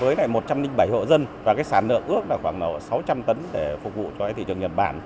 với lại một trăm linh bảy hộ dân và cái sản lượng ước là khoảng sáu trăm linh tấn để phục vụ cho thị trường nhật bản